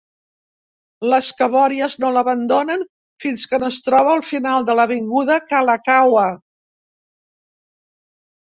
Les cabòries no l'abandonen fins que no es troba al final de l'avinguda Kalakaua.